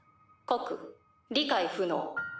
告理解不能。